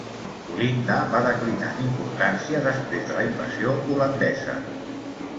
Olinda va declinar en importància després de la invasió holandesa.